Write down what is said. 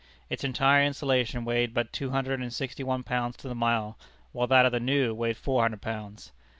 Its entire insulation weighed but two hundred and sixty one pounds to the mile, while that of the new weighed four hundred pounds.